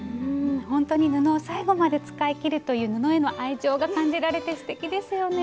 本当に布を最後まで使い切るという布への愛情が感じられてすてきですよね。